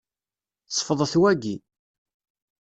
Ṣfeḍet wagi.